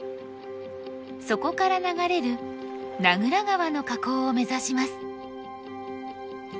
そこから流れる名蔵川の河口を目指します。